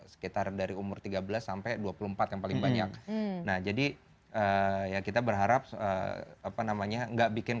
sekitar dari umur tiga belas sampai dua puluh empat yang paling banyak nah jadi ya kita berharap apa namanya enggak bikin